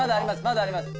まだあります。